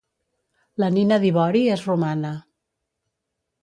La nina d'ivori és romana.